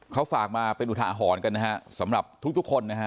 เขาฝากมาเป็นอุทาหรณ์กันนะฮะสำหรับทุกคนนะฮะ